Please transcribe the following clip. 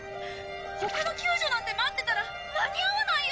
他の救助なんて待ってたら間に合わないよ！